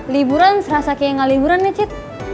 liburan serasa kayak gak liburan ya cid